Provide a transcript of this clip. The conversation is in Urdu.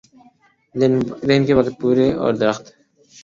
دن کے وقت پودے اور درخت